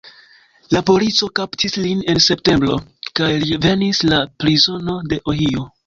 La polico kaptis lin en septembro kaj li venis al prizono de Ohio.